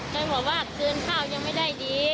เขาบอกว่าคืนข้าวยังไม่ได้ดี